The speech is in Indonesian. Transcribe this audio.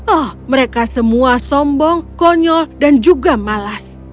oh mereka semua sombong konyol dan juga malas